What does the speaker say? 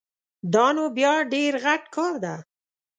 دا نو بیا ډېر غټ کار ده